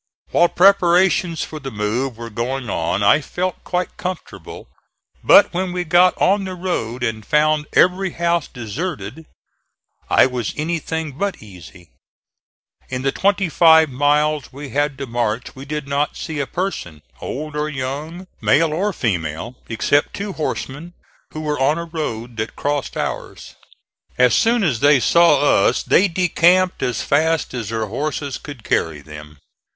While preparations for the move were going on I felt quite comfortable; but when we got on the road and found every house deserted I was anything but easy. In the twenty five miles we had to march we did not see a person, old or young, male or female, except two horsemen who were on a road that crossed ours. As soon as they saw us they decamped as fast as their horses could carry them.